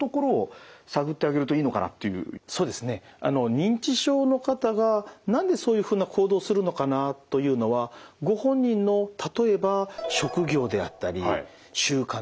認知症の方が何でそういうふうな行動をするのかなというのはご本人の例えば職業であったり習慣ですね。